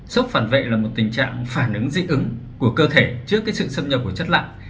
sốc phản vệ là một tình trạng phản ứng dị ứng của cơ thể trước cái sự xâm nhập của chất lặng